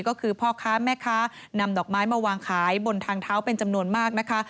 ก็คือพ่อค้าแม่ค้านำดอกไม้มาวางขายบนทางเท้าเป็นจำนวนมากนะคะ